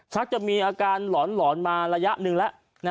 จะมีอาการหลอนมาระยะหนึ่งแล้ว